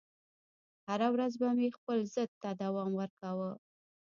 هره ورځ به مې خپل ضد ته دوام ورکاوه